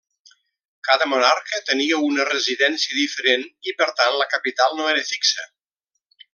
Cada monarca tenia una residència diferent i, per tant la capital no era fixa.